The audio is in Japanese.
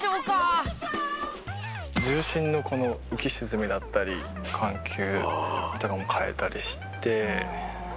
重心のこの浮き沈みだったり緩急とかも変えたりして。